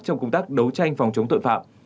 trong công tác đấu tranh phòng chống tội phạm